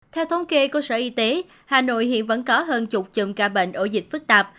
theo thống kê của sở y tế hà nội hiện vẫn có hơn chục chùm ca bệnh ổ dịch phức tạp